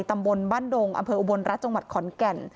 ตำบลบ้านดงอำเภออุบลรัฐจังหวัดขอนแก่น